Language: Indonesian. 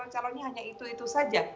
calonnya hanya itu itu saja